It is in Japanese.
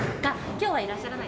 今日はいらっしゃらない。